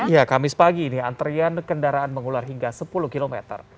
ya kamis pagi ini antrian kendaraan mengular hingga sepuluh km